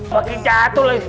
bikin jatuh lagi